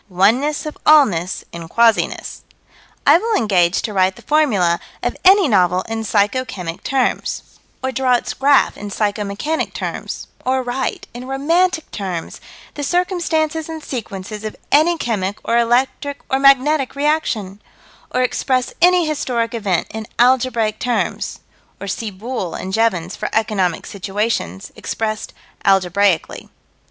Oneness of allness in quasiness. I will engage to write the formula of any novel in psycho chemic terms, or draw its graph in psycho mechanic terms: or write, in romantic terms, the circumstances and sequences of any chemic or electric or magnetic reaction: or express any historic event in algebraic terms or see Boole and Jevons for economic situations expressed algebraically.